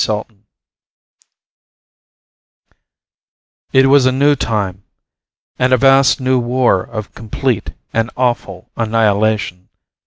SALTON _It was a new time and a vast new war of complete and awful annihilation.